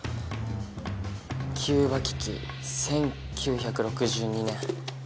「キューバ危機１９６２年」。